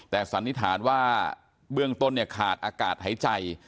แต่สันนิษฐานว่าเบื้องต้นเนี่ยขาดอากาศหายใจ